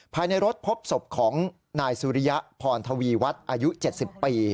ภายในรถพบศพของนายสุริยะพรทวีวัฒน์อายุ๗๐ปี